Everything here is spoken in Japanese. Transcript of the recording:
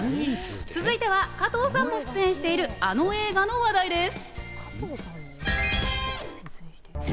続いては加藤さんも出演している、あの映画の話題です。